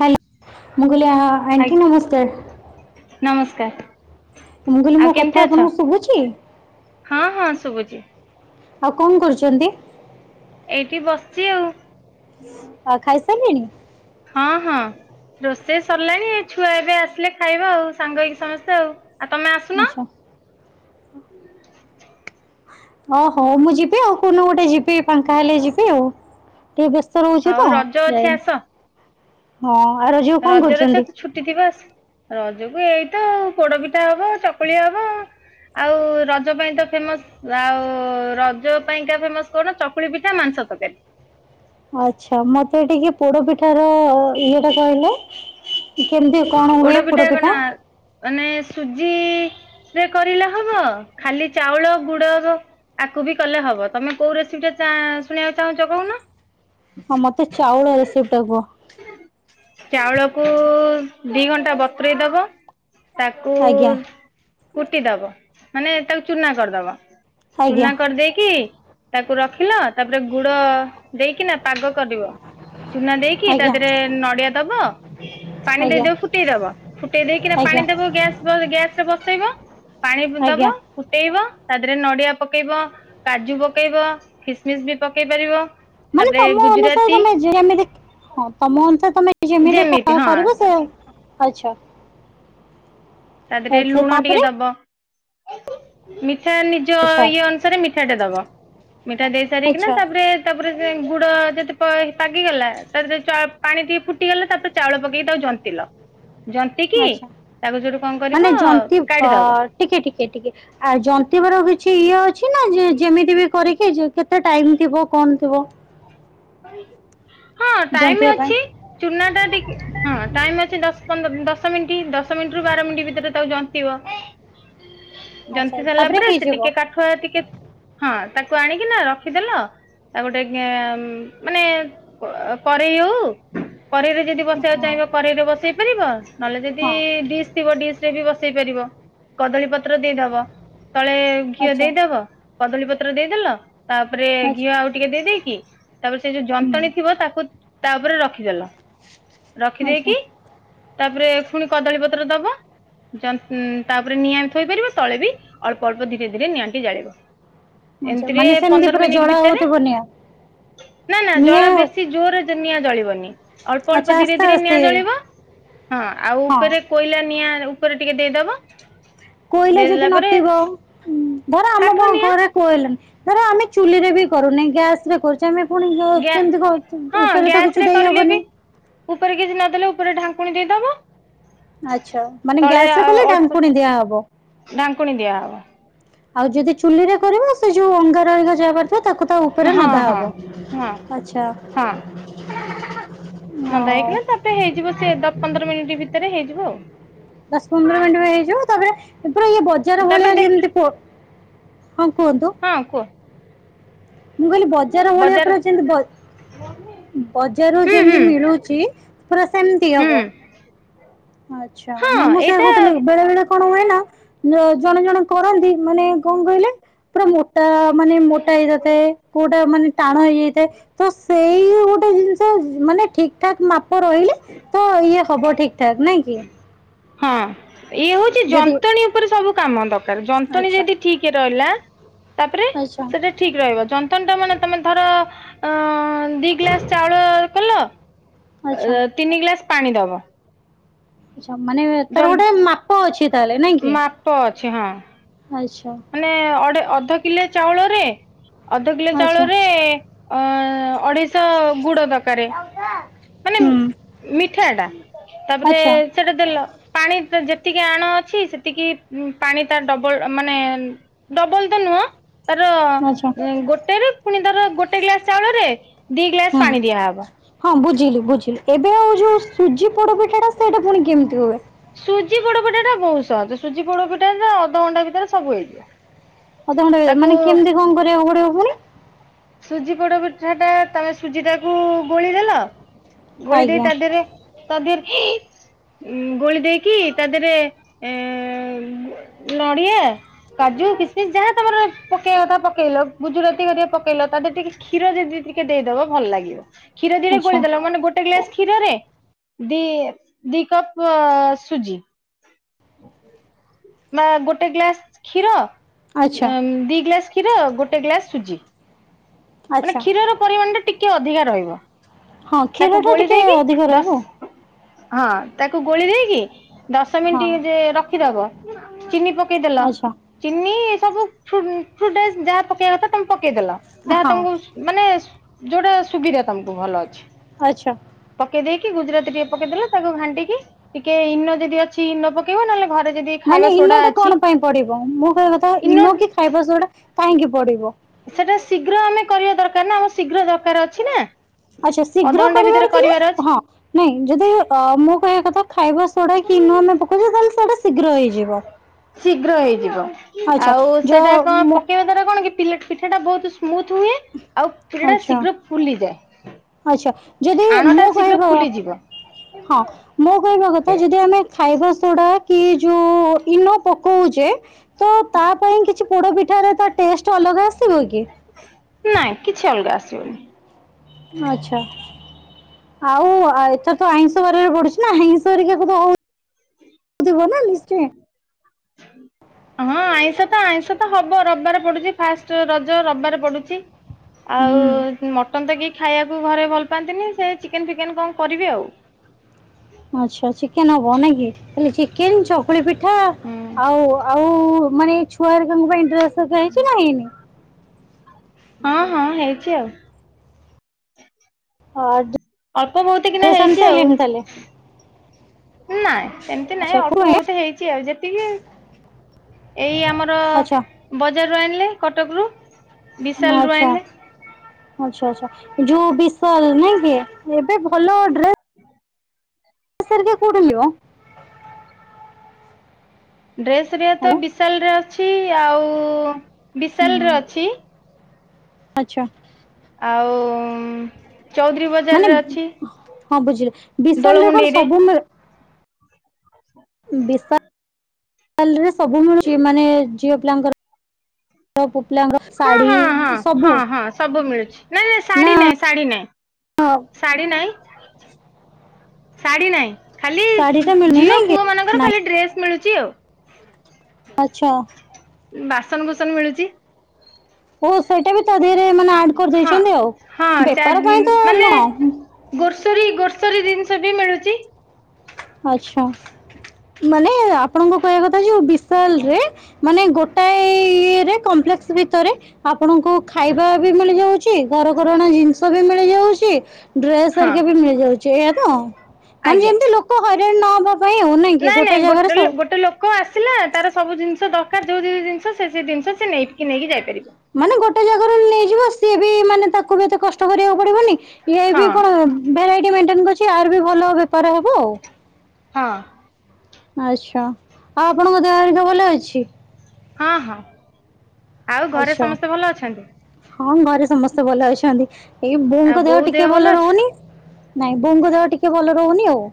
Hello ମୁଁ କହିଲି ଆ ଆଣ୍ଟି ନମସ୍କାର। ନମସ୍କାର। ମୁଁ କହିଲି ଆଉ ମୋ କେମିତି କଥା ଅଛ? ଆପଣଙ୍କୁ ଶୁଭୁଛି? ହଁ ହଁ ଶୁଭୁଛି ଆଉ କଣ କରୁଛନ୍ତି? ଏଇଠି ବସିଛି ଆଉ। ଆ ଖାଇସାରିଲଣି? ହଁ ହଁ ରୋଷେଇ ସରିଲାଣିଏ ଛୁଆ ଏବେ ଆସିଲେ ଖାଇବ ଆଉ ସାଙ୍ଗ ହେଇକି ସମସ୍ତେ ଆଉ। ଆଉ ତମେ ଆସୁନ। ଛ ଓ ହୋ ମୁଁ ଯିବେ ଆଉ କଉଦିନ ଗୋଟେ ଯିବେ ପାାଙ୍କା ହେଲେ ଯିବେ ଆଉ। ଟିକେ ବ୍ୟସ୍ତ ରହୁଛେ ହଉ ତ ରଜ ଅଛି ଯାଇନି ଆସ ହଁ ଆର ଝିଅ ରଜରେ ତ ଛୁ ଟି ଥିବ ରଜକୁ ଏଇତ ପୋଡ ପିଠା ହବ ଚକୁଳି ହବ। ଆଉ ରଜ ପାଇଁ ତ ଫେମସ୍ ଆଉ ରଜ ପାଇଁକା ଫେମସ କଣ ଚକୁଳି ପିଠା ମାଂସ ତରକାରୀ। ଆଚ୍ଛା ମତେ ଟିକେ ପୋଡ ପିଠାର ଇଏ ଟା କହିଲେ? କେମିତି କଣ ହୁଏ ଫୋଡ ପିଠା? ନାଇଁ ସୁଜିରେ କରିଲେ ହବ ଖାଲି ଚାଉଳ ଗୁଡ ହବ। ଆକୁ ବି କଲେ ହବ ତମେ କୋଉ ରେସିପି ଟା ଶୁଣିବାକୁ ଚାହୁଁଛ କହୁନ? ହଁ ମତେ ଚାଉଳ ରେସିପି ଟା କୁହ? ଚାଉଳକୁ ଦି ଘଣ୍ଟା ବତୁରେଇ ଦବ। ତାକୁ ଆଜ୍ଞା କୁଟି ଦବ ମାନେ ତାକୁ ଚୁନା କରିଦବ। ଆଜ୍ଞା ଚୁନା କରିଦେଇକି ତାକୁ ରଖିଲ ତାପରେ ଗୁଡ ଦେଇକିନା ପାଗ କରିବ। ଚୁନା ଦେଇକି ତା ଆଜ୍ଞା ଦେହରେ ନଡିଆ ଦବ ପାଣି ଆଜ୍ଞା ଆଜ୍ଞା ଦେଇଦବ ଫୁଟେଇଦବ ଫୁଟେଇ ଦେଇକିନା ଆଜ୍ଞା ପାଣି ଦବ ଗ୍ୟାସ ଗ୍ୟାସ ରେ ବସେଇବ ପାଣି ଆଜ୍ଞା ଦବ ଫୁଟେଇବ ତା ଦେହରେ ନଡିଆ ପକେଇବ। କାଜୁ ପକେଇବ ଖୀସମିସ ବି ପକେଇ ପାରିବ। ମାନେ ତାପରେ ତମ ଅନୁସାରେ ଗୁଜୁରାତି ତମେ ଯେମିତି ହଁ ତମ ଅନୁସାରେ ତମେ ଯେମିତି ହଁ କରିବ ସେ ତା ଆଛା ତା ଦେହରେ ଲୁଣ ଟିକେ ଦବ ମିଠା ଆନି ନିଜ ଆଚ୍ଛା ଇଏ ଅନୁସାରେ ମିଠାଟା ଦବ ମିଠା ଦେଇ ସାରିକିନା ଆଚ୍ଛା ତାପରେ ତାପରେ ସେ ଗୁଡ଼ ଯଦି ପ ପାଗିଗଲା ତାପରେ ଚ ପାଣି ଟିକେ ଫୁଟିଗଲା ତାପରେ ଚାଉଳ ପକେଇକି ତାକୁ ଜନ୍ତିଲ। [inaudible] ଯନ୍ତିକି ଆଚ୍ଛା ତାପରେ ସେଠୁ ମାନେ ଯନ୍ତି ଅ ଟିକେ ଟିକେ ଟିକେ ଆଉ ଜନ୍ତିବାର କିଛି ଇଏ ଅଛି ନା ଯେ ଯେମିତି ବି କରିକି କି ଯେ କେତେ ଟାଇମ୍ ଥିବ କଣ ଥିବ? ହଁ ଟାଇମ୍ ଜନ୍ତିବା ପାଇଁ ଅଛି ଚୁନା ଟା ଟିକେ ହଁ ଟାଇମ୍ ଅଛି ଦଶ ପନ୍ଦର ଦଶ ମିଣ୍ଟି ଦଶ ମିଣ୍ଟି ରୁ ବାର ମିଣ୍ଟି ଭିତରେ ତାକୁ ଜନ୍ତିବ। ଆଚ୍ଛା ଜନ୍ତିି ସାରିଲା ତାପରେ ପରେ ସେ ହେଇଯିବ ଟିକେ କା ଠୁଆ ଟିକେ ହଁ ତାକୁ ଆଣିକି ନା ରଖିଦେଲ ତା ଗୋଟେ ମାନେ ଅ କରେଇ ହଉ କଡେଇରେ ଯଦି ବସେଇବାକୁ ହଁ ଚାହିଁବ କରେରେ ବସେଇ ପାରିବ ନହେଲେ ଯଦି ହଁ ଡିସ୍ ଥିବ ଡିସ୍ ରେ ବି ବସେଇ ପାରିବ କଦଳୀ ପତ୍ର ଦେଇଦବ ତଳେ ଘିଅ ଆଚ୍ଛା ଦେଇଦବ କଦଳୀ ପତ୍ର ଦେଇଦେଲ ତାପରେ ଆଚ୍ଛା ଘିଅ ଆଉ ଟିକେ ଦେଇଦେଇକି ତାପରେ ସେ ଯୋଉ ହୁଁ ଯନ୍ତଣୀ ଥିବ ତାକୁ ତା ଉପରେ ରଖିଦେଲ ରଖି ଆଚ୍ଛା ଦେଇକି ତାପରେ ଫୁଣି କଦଳୀପତ୍ର ଦବ। ଯନ୍ତ୍ ଉଁ ତାପରେ ନିଆଁ ବି ଥୋଇପାରିବ ତଳେ ବି ଅଳ୍ପ ଅଳ୍ପ ଧୀରେ ଧୀରେ ନିଆଁଟି ଜାଳିବ। ଆଚ୍ଛା ଏମିତିରେ ମାନେ ସେମିତି ପନ୍ଦର ପୁରା ମିନିଟ୍ ଜଳା ଭିତରେ ହଉଥିବ ନିଆଁ ନା ନା ଜଳା ନିଆଁ ବେଶୀ ଜୋରରେ ନିଆଁ ଜାଳିବନି ଅଳ୍ପ ଆଚ୍ଛା ଅଳ୍ପ ଧୀରେ ଆସ୍ତେ ଧୀରେ ଆସ୍ତେ ନିଆଁ ଜଳିବ ହଁ ଆଉ ହଁ ଉପରେ କୋଇଲା ନିଆଁ ଉପରେ ଟିକେ ଦେଇଦବ। କୋଇଲା ଦେଇଦେଲା ଯଦି ପରେ ନଥିବ ଧର ଆମ କାଠ ପ ନିଆଁ ଘରେ କୋଇଲାନି ଧର ଆମେ ଚୁଲିରେ ବି କରୁନେଇ ଗ୍ୟାସ୍ ରେ କରୁ ତ ଆମେ ପୁଣି ଗ୍ୟା କେମିତି କଣ ହଁ ଉପରେ ତ ଗ୍ୟାସ କିଛି ରେ କରିଲେ ବି ଦେଇହବନି? ଉପରେ କିଛି ନଦେଲେ ଉପରେ ଢାଙ୍କୁଣି ଦେଇଦବ। ଆଚ୍ଛା ମାନେ ତଳେ ଗ୍ୟାସ୍ ରେ କଲେ ଅଳ୍ପ ଢାଙ୍କୁଣି ଦିଆହବ। ଢାଙ୍କୁଣୀ ଦିଆ ହବ। ଆଉ ଯଦି ଚୁଲି ରେ କରିବ ସେ ଯୋଉ ଅଙ୍ଗାର ଅରିକ ଯାଆ ଘରେ ଥିବ ତାକୁ ତା ଉପରେ ହଁ ନଦା ହଁ ହବ। ହଁ ଆଚ୍ଛା। ମନ୍ଦା ଆଉ ହେଇକିନା ତାପରେ ହେଇଯିବ ସେ ଦ ପନ୍ଦର ମିନିଟ୍ ଭିତରେ ହେଇଯିବ ଆଉ। ଦଶ ପନ୍ଦର ମିଣ୍ଟି ପାଇଁ ହେଇଯିବ ତାପରେ ପୁରା ଇଏ ବଜାର ତାପରେ ଭଳିଆ ଦେଖ ଯେମତି ପୋ ହଁ କୁହନ୍ତୁ? ହଁ କୁହ। ମୁଁ କହିଲି ବଜାର ଭଳିଆ ପୁରା ଯେମିତି ବ ବଜାରରୁ ହୁଁ ହୁଁ ଯେମିତି ମିଳୁଚି ପୁରା ସେମିତି ହୁଁ ହବ? ଆଚ୍ଛା ହଁ ନାଇଁ ମୁଁ ସେୟା ଏଇଟା କହୁଥିଲି ବେଳେ ବେଳେ କଣ ହୁଏ ନା ଜଣେ ଜଣେ କରନ୍ତି ମାନେ କଣ କହିଲେ ପୁରା ମୋଟା ମାନେ ମୋଟା ହେଇଯାଇଥାଏ। କୋଉଟା ମାନେ ଟାଣ ହେଇଯାଇଥାଏ ତ ସେଇଆ ଗୋଟେ ଜିନିଷ ମାନେ ଠିକ୍ ଠାକ୍ ମା ପ ରହିଲେ ତ ଇଏ ହବ ଠିକ୍ ଠାକ୍ ନାଇଁ କି? ହଁ ଇଏ ହଉଚି ଯଦି ଯନ୍ତଣୀ ଉପରେ ସବୁ କାମ ଦକାର ଯନ୍ତଣୀ ଆଚ୍ଛା ଯଦି ଠିକ୍ ରହିଲା ତାପରେ ଆଚ୍ଛା ସେଟା ଠିକ୍ ରହିବ। ଯନ୍ତଣି ଟା ମାନେ ତମେ ଧର ଅଁ ଦି ଗ୍ଲାସ୍ ଚାଉଳ କଲ ଆଚ୍ଛା ର ତିନି ଗ୍ଲାସ୍ ପାଣି ଦବ। ଆଚ୍ଛା ମାନେ ଯ ତାର ଗୋଟେ ମାପ ଅଛି ତାହାଲେ ନାଇଁ କି? ମାପ ଅଛି ହଁ ଆଚ୍ଛା। ମାନେ ଅଢ଼େ ଅଧ କିଲେ ଚାଉଳରେ ଅଧ କିଲେ ଆଚ୍ଛା ଚାଉଳରେ ଏ ଅଁ ଆଡେଇସ [inaudible] ଗୁଡ ଦରକାର, ମା ହୁଁ। ମିଠା ଟା ତାପରେ ଆଚ୍ଛା ସେଟା ଦେଲ ପାଣି ଯେତିକି ଆଣ ଅଛି ସେତିକି ପାଣି ତାର ଡବଲ ମାନେ ଡବଲ ତ ନୁହଁ ତାର ଆଚ୍ଛା ଗୋଟେ ରୁ ପୁଣି ଧର ଗୋଟେ ଗ୍ଲାସ ଚାଉଳରେ ଦି ଗ୍ଲାସ ହଁ। ପାଣି ଦିଆହବ। ହଁ ବୁଝିଲି ବୁଝିଲି। ଏବେ ଆଉ ଯୋଉ ସୁଜି ପୋଡପିଠା ଟା ସେଇଟା ପୁଣି କେମିତି ହୁଏ? ସୁଜି ପୋଡପିଠା ଟା ବହୁତ ସହଜ। ସୁଜି ପୋଡପିଠା ଟା ଅଧଘଣ୍ଟା ଭିତରେ ସବୁ ହେଇଯିବ। ଅଧ ଘଣ୍ଟେ ତାକୁ ମାନେ କେମତି କଣ କରିବା କୁ ପଡିବ ପୁଣି? ସୁଜି ପୋଡ଼ପିଠା ଟା ତମେ ସୁଜିଟାକୁ ଗୋଳେଇଦେଲ ଗୋଳେଇଦେଇ ଆଜ୍ଞା ତା ଦେହରେ ତା ଦେହରେ ଗୋଳି ଦେଇକି ତା ଦେହରେ ଏ ନଡ଼ିଆ କାଜୁ, କିସମିସ୍ ଯାହା ତମର ପକେଇବା କଥା ପକେଇଲ। ଗୁଜୁରାତି ହେରିକା ପକେଇଲ। ତା ଦେହରେ ଟି କ୍ଷୀର ଯଦି ଟିକେ ଦେଇଦବ ଭଲ ଲାଗିବ। କ୍ଷୀର ଦିହରେ ଆଚ୍ଛା ଗୋଳେଇଦେଲ। ମାନେ ଗୋଟେ ଗ୍ଲାସ୍ କ୍ଷୀରରେ ଦି ଦି କପ୍ ସୁଜି। ବା ଗୋଟେ ଗ୍ଲାସ୍ କ୍ଷୀର ଆଚ୍ଛା ଦି ଗ୍ଲାସ୍ କ୍ଷୀର ଗୋଟେ ଗ୍ଲାସ୍ ସୁଜି। ମାନେ ଆଚ୍ଛା। କ୍ଷୀରର ପରିମାଣ ଟା ଟିକେ ଅଧିକା ରହିବ। ହଁ ତାକୁ କ୍ଷୀରଟା ଗୋଳେଇ ଟିକେ ଦେଇକି ଅଧିକ ଦଶ୍ ରହିବ ହଁ, ତାକୁ ଗୋଳେଇ ଦେଇକି ଦଶ ହଁ ମିନିଟ୍ ଯେ ରଖିଦବ। ଚିନି ପକେଇଦେଲ। ଆଚ୍ଛା ଚିନି ସବୁ ଫ୍ରୁ ପ୍ରୁଡେଜ୍ ଯାହା ପକେଇବା କଥା ତମେ ପକେଇଦେଲ। ଯାହା ହଁ। ତମୁକୁ ମାନେ ଯୋଉଟା ସୁବିଧା ତମକୁ ଭଲ ଅଛି। ଆଚ୍ଛା। ପକେଇଦେଇକି ଗୁଜୁରାତି ଟିକେ ପକେଇଦେଲ, ତାକୁ ଘାଣ୍ଟିକି ଟିକେ ଇନୋ ଯଦି ଅଛି ଇନୋ ପ ପକେଇବ ନହେଲେ ଘରେ ଯଦି ଖାଇବା ମାନେ ଇନୋ ସୋଡା ଟା ଅଛି କଣ ପାଇଁ ପଡିବ? ମୁଁ କହିବା କଥା ଇନୋ କି ଖାଇବାସୋଡ଼ା କାହିଁକି ପଡିବ? ସେଟା ଶୀଘ୍ର ଆମେ କରିବା ଦରକାର ନା। ଆମର ଶୀଘ୍ର ଦରକାର ଅଛି ନା। ଆଚ୍ଛା ଶୀଘ୍ର ଅଧଘଣ୍ଟା ଭିତରେ କରିବାର ଥିଲେ ଅଛି ହଁ। ନାଇଁ ଯଦି ଆ ମୁଁ କହିବା କଥା ଖାଇବାସୋଡା କି ଇନୋ ଆମେ ପକଉଚେ ତାହେଲେ ସେଇଟା ଶୀଘ୍ର ହେଇଯିବ। ଶୀଘ୍ର ହେଇଯିବ। ଆଚ୍ଛା ଆଉ ଯ ସେଟା କଣ ମୁଁ ପକେଇବା ଦ୍ଵାରା କଣ କି ପିଲା ପିଠା ଟା ବହୁତ ସ୍ମୁଥ ହୁଏ, ଆଉ ପିଠାଟା ଆଚ୍ଛା। ଶୀଘ୍ର ଫୁଲିଯାଏ। ଆଚ୍ଛା। ଯଦି ଆଣଟା ମୋ ଶୀଘ୍ର କହିବା ଫୁଲିଯିବ। ହଁ ମୋ କହିବା କଥା ଯଦି ଆମେ ଖାଇବା ସୋଡା କି ଯୋଉ ଇନୋ ପକଉଚେ ତ ତା ପାଇଁ କିଛି ପୋଡ଼ପିଠାରେ ତା ଟେଷ୍ଟ ଅଲଗା ଆସିବ କି? ନାଇଁ କିଛି ଅଲଗା ଆସିବନି। ଆଚ୍ଛା। ଆଉ ଆ ଏଥର ତ ଆଇଁଷ ବାରିରେ ପଡୁଚି ନା ଆଇଁଷ ହେରିକାକୁ ତ ହଉ [unintelligible] ନା ନିଶ୍ଚୟେ। ହଁ ଆଇଁଷ ତ ଆଇଁଷ ତ ହବ। ରବିବାରେ ପଡୁଚି ଫାଷ୍ଟ ରଜ ରବିବାର ପଡୁଚି। ଆଉ ହୁଁ ମଟନ୍ ତ କେହି ଖାଇବାକୁ ଘରେ ଭଲ ପାଆନ୍ତିନି, ସେ ଚିକେନ୍ ଫିକେନ୍ କଣ କରିବେ ଆଉ। ଆଚ୍ଛା। ଚିକେନ୍ ହବ ନାଇଁ କି। ଚିକେନ୍ ଚକୁଳି ପିଠା ହୁଁ ଆଉ ଆଉ ମାନେ ଏଇ ଛୁଆ ହେରିକାଙ୍କ ପାଇଁ ଡ୍ରେସ୍ ହେରିକା ହେଇଛି ନା ହେଇନି ହଁ ହଁ ହେଇଚି ଆଉ। [unintelligible] ଅଳ୍ପ ବହୁତି କିନା ଡ୍ରେସ୍ ଆଣି ହେଇଚି ଆଉ। ସାରିଲେଣି ତାହେଲେ ନାଇଁ ସେମତି ନାଇଁ। ଆଚ୍ଛା କୋଉ ଅଳ୍ପ ଆଜ୍ଞା? ବହୁତ ହେଇଚି ଆଉ। ଯେତିକି ଏଇ ଆମର ଆଚ୍ଛା ବଜାରରୁୁ ଆଣିଲେ କଟକ ରୁ। ଆଚ୍ଛା। ଆଚ୍ଛା ଆଚ୍ଛା। ଯୋଉ ବିଶାଲ୍ ନାଇଁ କି। ଏବେ ଭଲ ଡ୍ରେ ସ ହେରିକା କୋଉଠୁ ଲିଅ? ଡ୍ରେସ ହେରିକା ତ ହ୍ୟାଲୋ ବିଶାଲରେ ଅଛି, ଆଉ ବିଶାଲରେ ଅଛି। ଆଛା। ଆଉ ଚୌଧୁରୀ ମାନେ ବଜାରରେ ଅଛି, ହଁ ବୁଝିଲି ଦୋଳ ବିଶାଲରେ କଣ ମୁଣ୍ଡେଇରେ। ସବୁ ମିଳେ ବିଶାଲରେ ସବୁ ମିଳୁଛି, ମାନେ ଝିଅ ପିଲାଙ୍କର? ପୋପଲାଙ୍କ ହଁ ଶାଢୀ, ହଁ ହଁ ସବୁ ହଁ ହଁ ସବୁ ମିଳୁଛି ନାଇଁ ନାଇଁ ଶାଢୀ ନା ନାଇଁ ହଁ। ଶାଢୀ ନାଇଁ, ଶାଢୀ ନାଇଁ। ଖାଲି ଶାଢୀ ଟା ମିଳୁନି ଝିଅ ନାଇଁ କି? ପୁଅ ମାନଙ୍କର ନାଇଁ ଖାଲି ଡ୍ରେସ୍ ମିଳୁଛି ଆଉ। ଆଛା। ବାସନ କୁସନ୍ ମିଳୁଛି। ଓ ସେଇଟା ବି ତା ଧରେ ମାନେ ଆଡ ହଁ କରିଦେଇଛନ୍ତି ଆଉ, ହଁ ଚା ବେପାର ପାଇଁ ତ ମାନେ ନୁହଁ। ଗୋରସରୀ ଗୋରସରୀ ଜିନିଷ ବି ମିଳୁଛି। ଆଛା, ମାନେ ଆପଣଙ୍କ କହିବା କଥା ଯେ ବିଶାଲ ରେ ମାନେ ଗୋଟାଏ ଇଏରେ କମ୍ପ୍ଲେକ୍ସ ଭିତରେ ଆପଣଙ୍କୁ ଖାଇବା ବି ମିଳି ଯାଉଛି, ଘର ଘରଣା ଜିନିଷ ବି ମିଳି ଯାଉଛି ଡ୍ରେସ୍ ହଁ। ହରିକା ବି ମିଳିଯାଉଛି ଏଇଆ ତ, ମାନେ ଆଜ୍ଞା। ଯେମତି ଲୋକ ହଇରାଣ ନହବା ପାଇଁ ଆଉ ନାଇଁ କି, ଗୋଟେ ଜାଗାରେ ସବୁ କୋ ଆସିଲା ତାର ସବୁ ଜିନିଷ ଦରକାର ଯୋଉ ଯୋଉ ଜିନିଷ ସେ ସେ ଜିନିଷ ସେ ନେଇକି ନେଇକି ଯାଇପାରିବ। ମାନେ ଗୋଟେ ଜାଗାରୁ ନେଇଯିବ ସିଏ ବି ମାନେ ତାକୁ ବି ଏତେ କଷ୍ଟ କରିବାକୁ ପଡିବନି, ଇଏ ହଁ ବି କଣ ଭେରାଇଟି ମେଣ୍ଟେନ କରୁଛି, ଆର୍ ବି ଭଲ ବେପାର ହବ ଆଉ। ହଁ। ଆଚ୍ଛା, ଆଉ ଆପଣଙ୍କ ଦେହ ହେରୀକା ଭଲ ଅଛି? ହଁ ହଁ ଆଉ ଘରେ ଆଚ୍ଛା ସମସ୍ତେ ଭଲ ଅଛନ୍ତି? ହଁ ଘରେ ସମସ୍ତେ ଭଲ ଅଛନ୍ତି, ଏଇ ଆଉ ବୋଉଙ୍କ ଦେହ ବୋଉ ଟିକେ ଭଲ ଅଛି? ରହୁନି। ନାଇଁ ବୋଉଙ୍କ ଦେହ ଟିକେ ଭଲ ରହୁନି ଆଉ,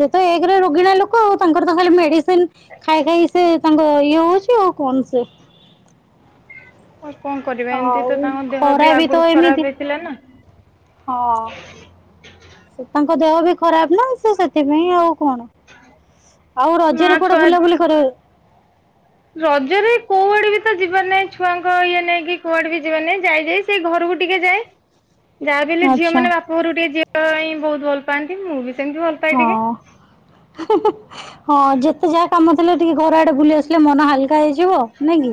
ସେ ତ ଏକରେ ରୋଗୀଣା ଲୋକ ଆଉ, ତାଙ୍କର ତ ଖାଲି ମେଡିସିନ ସିନ ଖାଇ ଖାଇ ସେ ତାଙ୍କ ଇଏ ହଉଛି ଆଉ କଣ ସେ ଆଉ କଣ କରିବା ଏମତି ଆଉ ତ ତାଙ୍କ ଦେହ ଖରା ବି ତ ଆଗରୁ ଏମିତି ଖରାପ ହେଇଥିଲା ନା। ହଁ। ତାଙ୍କ ଦେହ ବି ଖରାପ ନା ସେ ସେଥିପାଇଁ ଆଉ କଣ। ଆଉ ମା ରଜରେ କୁଆଡେ ଛୁଆ ବୁଲାବୁଲି କରିବାକୁ ଯାଇ ରଜରେ କୋଉଆଡେ ବି ତ ଯିବାର୍ ନାହିଁ, ଛୁଆଙ୍କ ଇଏ ନେଇକି କୁଆଡେ ବି ଯିବ ନାହିଁ ଯାଇ ଯାଇ ସେ ଘରକୁ ଟିକେ ଯାଏ। ଯାହା ବି ହେଲେ ଝିଅ ଆଚ୍ଛା ମାନ ବାପ ଘରୁ ଟିକେ ଯିବା ପାଇଁ ବହୁତ ଭଲ ପାଆନ୍ତି, ମୁଁ ବି ସେମିତି ଭଲ ପାଏ ହଁ, ଟିକେ। ହଁ ଯେତେ ଯାହା କାମ ଥିଲେ, ଟିକେ ଘର ଆଡେ ବୁଲି ଆସ ଶିଲେ ମନ ହାଲକା ହେଇଯିବ, ନାଇ କି,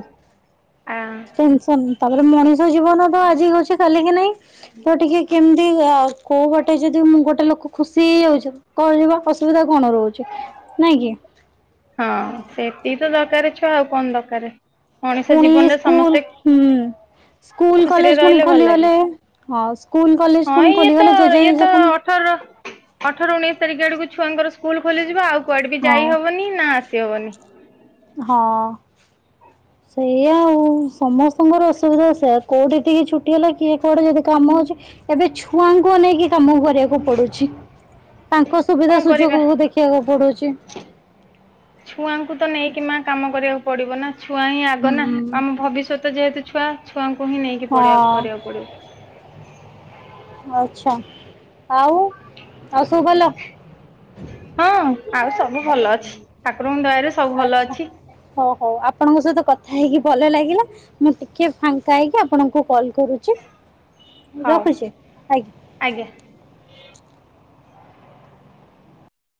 ଆ ଟେନସନ ତାପରେ ମଣିଷ ଜୀବନ ତ ଆଜି କି ଅଛି କାଲି କି ନାଇଁ। ତ ଟିକେ କେମିତି ଆ କୋଉ ବାଟେ ଯଦି ମୁଁ ଗୋଟେ ଲୋକ ଖୁସି ହେଇଯାଉଚି କଣ ଯିବା ଅସୁବିଧା କଣ ରହୁଛି, ନାଇଁ କି? ହଁ, ସେତିକି ତ ଦରକାର ଛୁଆ ଆଉ କଣ ଦରକାରେ। ପୁଣିଏଇ ସ୍କୁଲ। ସ୍କୁଲ ଖୁସିରେ କଲେଜ ପୁଣି ରହିଲେ ଭଲ ଲାଗେ ଖୋଲିଗଲେ, ହଁ ସ୍କୁଲ କଲେଜ ହଁ ପୁଣି ଇଏ ତ ଖୋଲିଗଲେ ଯେଝା ଇଏ ତ ଯେଝା କାମ ଅଠର ଅଠର ଉଣେଇଶ ତାରିଖ ଆଡକୁ ଛୁଆଙ୍କର ସ୍କୁଲ ଖୋଲିଯିବ ଆଉ କୁଆଡେ ବି ହଁ ଯାଇହବ ଏଇନା ଆସି ହବନି। ହଁ। ସେଇଆ ଆଉ ସମସ୍ତଙ୍କର ଅସୁବିଧା ସେଇଆ କୋଉଠି ଟିକେ ଛୁଟି ହେଲା କିଏ କୋଉଠି ଯଦି କାମ ଅଛି ଏବେ ଛୁଆଙ୍କୁ ଅନେଇକି କାମ କରିବାକୁ ପଡୁଛି। ତାଙ୍କ ସୁବିଧା କଣ କରିବା ସୁଯୋଗ କୁ ଦେଖିବାକୁ ପଡୁଛି। ଛୁଆଙ୍କୁ ତ ନେଇକି ମା କାମ କରିବାକୁ ପଡିବ ନା ଛୁଆ ହିଁ ଆଗ ହୁଁ ନା ଆମ ଭବିଷ୍ ଷ୍ୟତ ଯେହେତୁ ଛୁଆ ଛୁଆଙ୍କୁ ହିଁ ନେଇକି ପଡିଆ କରିବାକୁ ପଡ଼ିବ। ଆଛା ଆଉ ଆଉ ସବୁ ଭଲ? ହଁ ଆଉ ସବୁ ଭଲ ଅଛି ଠାକୁରଙ୍କ ଦୟରୁ ଆଚ୍ଛା। ହ ହଉ ଆପଣଙ୍କ ସହିତ କଥା ହେଇକି ଭଲ ଲାଗିଲା ମୁଁ ଟିକେ ଫାଙ୍କା ହେଇକି ଆପଣଙ୍କୁ କଲ୍ କରୁ ଛି ମୁଁ ହଉ ରଖୁଛି ଆଜ୍ଞା। ଆଜ୍ଞା।